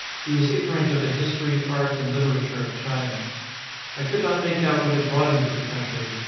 He was ignorant of the history, art, and literature of China. I could not make out what had brought him to the country.